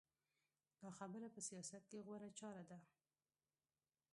دا خبره په سیاست کې غوره چاره ده.